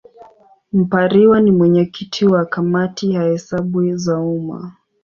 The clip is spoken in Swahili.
Mpariwa ni mwenyekiti wa Kamati ya Hesabu za Umma.